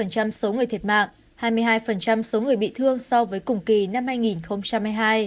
số người thiệt mạng hai mươi hai số người bị thương so với cùng kỳ năm hai nghìn hai mươi hai